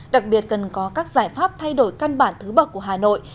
đặc biệt cần có các giải pháp thay đổi căn bản thứ bậc của hà nội